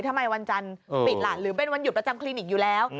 ทำไมวันจันทร์ปิดล่ะหรือเป็นวันหยุดประจำคลินิกอยู่แล้ว